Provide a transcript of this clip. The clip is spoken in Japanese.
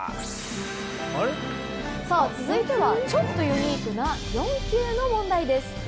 続いては、ちょっとユニークな４級の問題です。